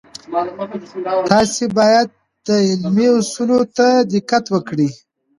تاسې باید د علمي اصولو ته دقت وکړئ.